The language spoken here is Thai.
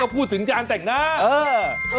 พูดถึงจานแต่งหน้า